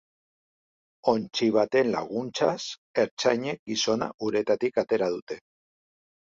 Ontzi baten laguntzaz, ertzainek gizona uretatik atera dute.